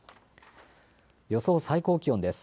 予想最高気温です。